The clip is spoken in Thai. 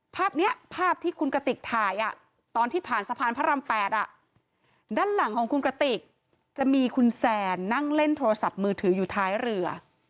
ภาพนี้ภาพที่คุณกระติกถ่ายตอนที่ผ่านสะพานพระราม๘ด้านหลังของคุณกระติกจะมีคุณแซนนั่งเล่นโทรศัพท์มือถืออยู่ท้ายเรือ